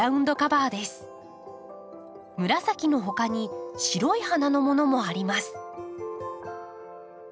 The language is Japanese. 紫のほかに白い花のものもあります。